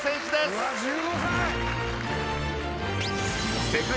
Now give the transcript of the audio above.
うわあ１５歳！